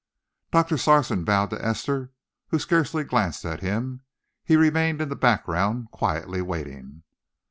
Doctor Sarson bowed to Esther, who scarcely glanced at him. He remained in the background, quietly waiting.